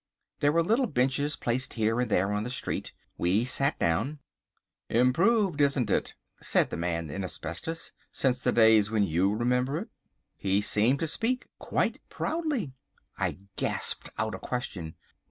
There were little benches placed here and there on the street. We sat down. "Improved, isn't it," said man in asbestos, "since the days when you remember it?" He seemed to speak quite proudly. I gasped out a question.